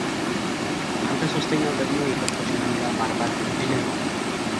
አንተ ሶስተኛው ደግሞ የከብቶች መንጋ ማርባት እድልህ ነው፡፡